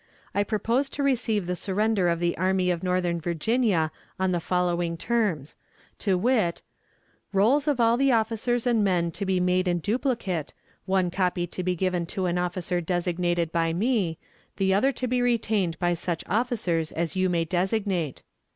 I propose to receive the surrender of the Army of Northern Virginia on the following terms, to wit: "Rolls of all the officers and men to be made in duplicate, one copy to be given to an officer designated by me, the other to be retained by such officers as you may designate.